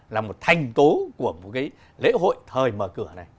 là một thành tố của một cái lễ hội thời mở cửa này